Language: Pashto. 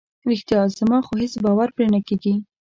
رښتیا؟ زما خو هیڅ باور پرې نه کیږي.